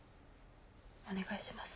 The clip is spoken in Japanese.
お願いします。